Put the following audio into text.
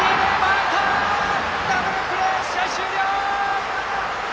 ダブルプレー、試合終了！